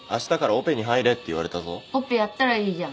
オペやったらいいじゃん。